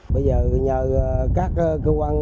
bây giờ nhờ các cơ quan